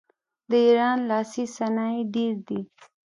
د ایران لاسي صنایع ډیر دي.